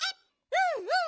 うんうん。